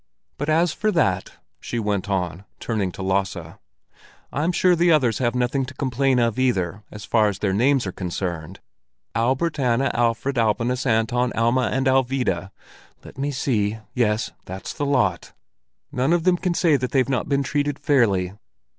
"But as for that," she went on, turning to Lasse, "I'm sure the others have nothing to complain of either, as far as their names are concerned. Albert, Anna, Alfred, Albinus, Anton, Alma and Alvilda—let me see, yes, that's the lot. None of them can say they've not been treated fairly.